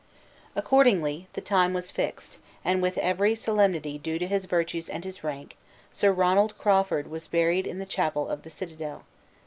Accordingly, the time was fixed; and with every solemnity due to his virtues and his rank, Sir Ronald Crawford was buried in the chapel of the citadel.